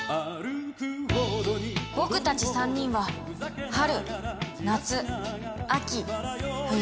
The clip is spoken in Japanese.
僕たち３人は春夏秋冬。